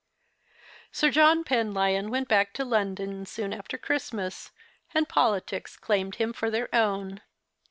Sir John Penlyon went back to London soon after Christmas, and politics claimed him for their own.